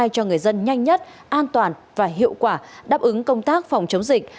cho người dân nhanh nhất an toàn và hiệu quả đáp ứng công tác phòng chống dịch